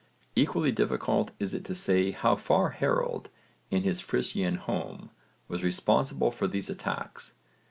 Equally difficult is it to say how far Harold in his Frisian home was responsible for these attacks.